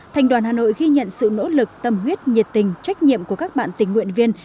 thành đoàn hà nội ghi nhận sự nỗ lực tâm huyết nhiệt tình trách nhiệm của các bạn tình nguyện viên